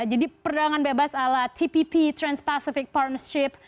jadi perdagangan bebas ala tpp trans pacific partnership